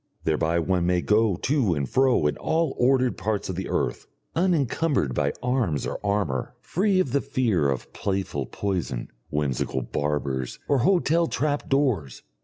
Thereby one may go to and fro in all the ordered parts of the earth, unencumbered by arms or armour, free of the fear of playful poison, whimsical barbers, or hotel trap doors.